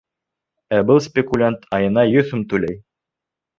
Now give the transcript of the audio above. Ә был спекулянт айына йөҙ һум түләй!